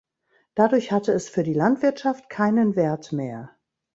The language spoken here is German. Dadurch hatte es für die Landwirtschaft keinen Wert mehr.